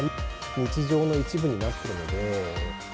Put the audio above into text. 日常の一部になってるので。